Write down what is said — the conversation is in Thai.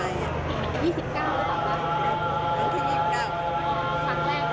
ตอนนี้เป็นครั้งหนึ่งครั้งหนึ่งครั้งหนึ่ง